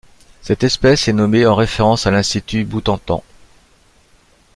Cette espèce est nommée en référence à l'Institut Butantan.